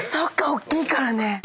おっきいからね。